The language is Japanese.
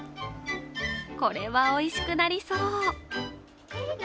これはおいしくなりそう。